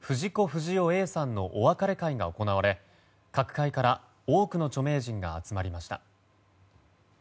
不二雄Ａさんのお別れ会が行われ各界から多くの著名人が集まりました。